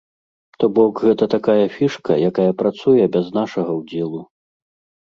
То бок, гэта такая фішка, якая працуе без нашага ўдзелу.